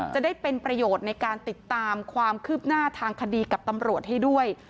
จะได้เป็นประโยชน์ในการติดตามความคืบหน้าทางคดีกับตำรวจให้ด้วย